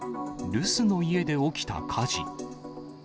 留守の家で起きた火事。